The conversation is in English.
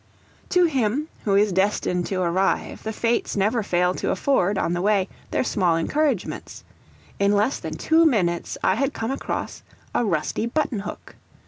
To him who is destined to arrive, the fates never fail to afford, on the way, their small encouragements; in less than two minutes, I had come across a rusty button hook.